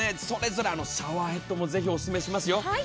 それぞれシャワーヘッドもぜひおすすめしますよ。